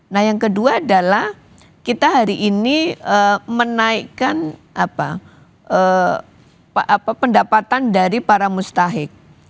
nah yang kedua adalah kita hari ini menaikkan pendapatan dari para mustahik